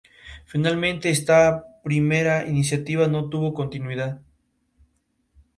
Es lo que viene a conocerse como "rollo de justicia".